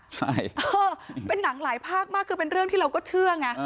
ใช่เป็นหนังหลายภาคมากคือเป็นเรื่องที่เราก็เชื่อไง